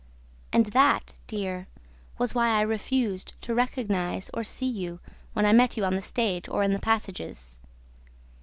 And that, dear, was why I refused to recognize or see you when I met you on the stage or in the passages.